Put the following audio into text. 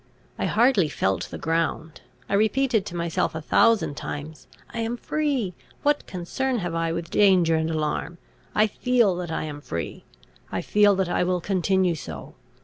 I hardly felt the ground; I repeated to myself a thousand times, "I am free. What concern have I with danger and alarm? I feel that I am free; I feel that I will continue so.